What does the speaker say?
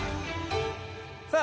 さあ